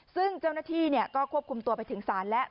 ซึ่งเจ้าหน้าที่ก็ควบคุมตัวไปถึงศาลแล้ว